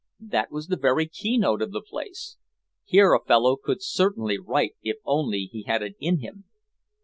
That was the very keynote of the place. Here a fellow could certainly write if only he had it in him.